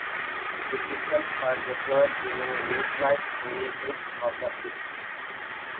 The systems were deployed during a mid-life refit of the ships.